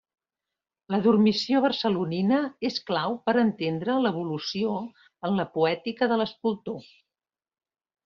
La Dormició barcelonina és clau per entendre l'evolució en la poètica de l'escultor.